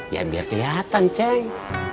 ya biar kelihatan ceng